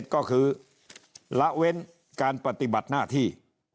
ก็คือละเว้นการปฏิบัติหน้าที่